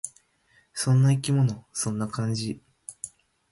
そんな生き物。そんな感じ。